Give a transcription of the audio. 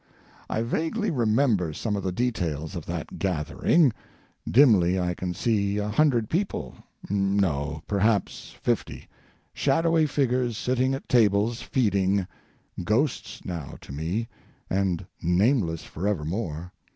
I vaguely remember some of the details of that gathering—dimly I can see a hundred people—no, perhaps fifty—shadowy figures sitting at tables feeding, ghosts now to me, and nameless forevermore.